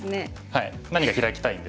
はい。